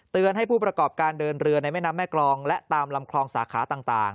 ให้ผู้ประกอบการเดินเรือในแม่น้ำแม่กรองและตามลำคลองสาขาต่าง